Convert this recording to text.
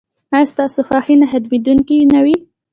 ایا ستاسو خوښي به نه ختمیدونکې نه وي؟